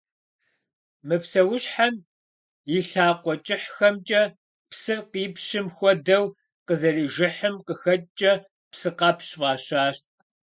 Мы псэущхьэм и лъакъуэ кӀыхьхэмкӀэ псыр къипщым хуэдэу къызэрижыхьым къыхэкӀкӀэ псыкъэпщ фӀащащ.